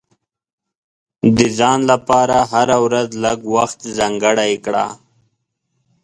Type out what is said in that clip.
د ځان لپاره هره ورځ لږ وخت ځانګړی کړه.